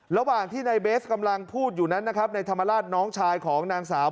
ระหว่างที่นายเบสกำลังพูดอยู่นั้นนะครับในธรรมราชน้องชายของนางสาว